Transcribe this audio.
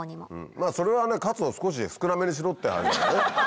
まぁそれはねカツを少し少なめにしろって話だね。